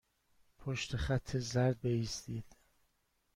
پشت خط زرد بایستید.